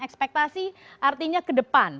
ekspektasi artinya ke depan